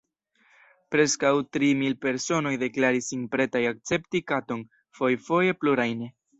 Preskaŭ tri mil personoj deklaris sin pretaj akcepti katon – fojfoje plurajn.